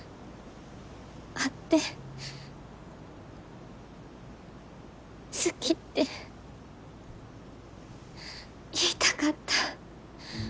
会って好きって言いたかった。